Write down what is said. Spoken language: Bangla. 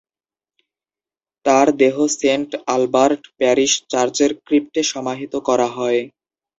তার দেহ সেন্ট আলবার্ট প্যারিশ চার্চের ক্রিপ্টে সমাহিত করা হয়।